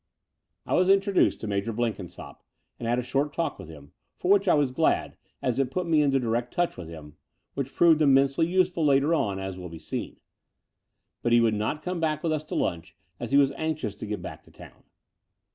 I was introduced to Major Blenkinsopp and had a short talk with him, for which I was glad, as it put me into direct touch with him, which proved immensely useful later on, as will be seen ; but he would not come back with us to lunch, as he was anxious to get back to town.